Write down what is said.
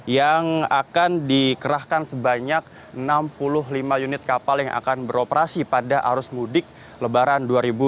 yang akan dikerahkan sebanyak enam puluh lima unit kapal yang akan beroperasi pada arus mudik lebaran dua ribu dua puluh